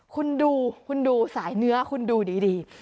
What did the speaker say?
คุณดูสายเนื้อคุณดูดี